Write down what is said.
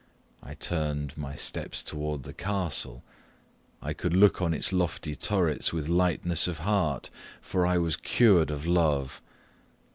I turned my steps towards the castle I could look on its lofty turrets with lightness of heart, for I was cured of love.